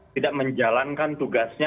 tidak menjalankan tugasnya